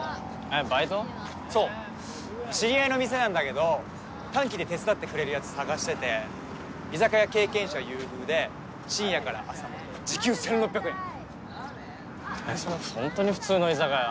そう知り合いの店なんだけど短期で手伝ってくれるヤツ探してて居酒屋経験者優遇で深夜から朝まで時給１６００円えっほんとに普通の居酒屋？